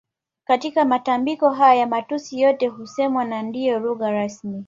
Katika matambiko haya matusi yote husemwa na ndio lugha rasmi